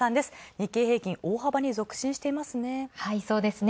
日経平均、大幅に続伸していますね。